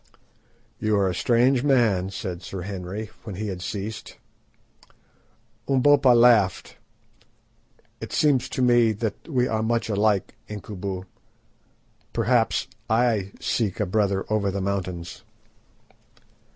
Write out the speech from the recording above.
"You are a strange man," said Sir Henry, when he had ceased. Umbopa laughed. "It seems to me that we are much alike, Incubu. Perhaps I seek a brother over the mountains."